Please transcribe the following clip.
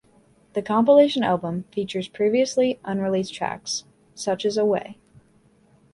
The compilation album features previously unreleased tracks, such as "Away".